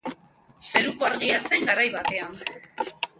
Zeruko Argia zen garai batean.